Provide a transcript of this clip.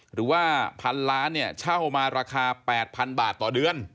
หรือว่าพันล้านเนี่ยเช่ามาราคา๘๐๐๐บาทต่อเดือน